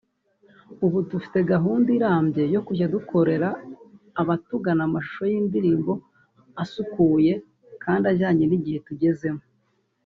ubu dufite gahunda irambye yo kujya dukorera abatugana amashusho y’indirimbo asukuye kandi ajyanye n’igihe tugezemo